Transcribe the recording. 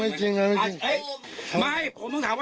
มีชังคาดคืนอยู่เงี้ยโถรั่งด้วยเหรอพระอาจารย์ไม่